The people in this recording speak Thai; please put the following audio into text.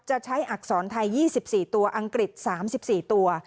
จะใช้อักษรไทย๒๔ตัวอังกฤษ๓๔ตัว